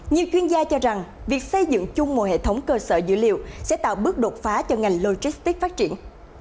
nhiều chuyên gia cho rằng việc xây dựng chung một hệ thống cơ sở dữ liệu sẽ tạo bước đột phá cho ngành logistics phát triển